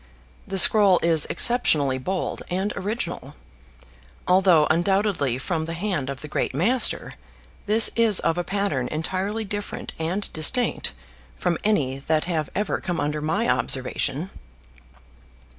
The scroll is exceptionally bold and original. Although undoubtedly from the hand of the great master, this is of a pattern entirely different and distinct from any that have ever come under my observation."